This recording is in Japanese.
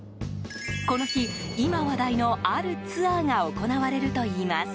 この日、今話題のあるツアーが行われるといいます。